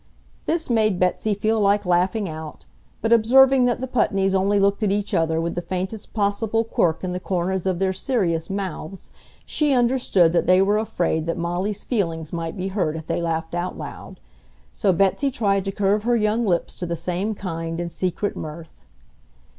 This made Betsy feel like laughing out, but observing that the Putneys only looked at each other with the faintest possible quirk in the corners of their serious mouths, she understood that they were afraid that Molly's feelings might be hurt if they laughed out loud. So Betsy tried to curve her young lips to the same kind and secret mirth.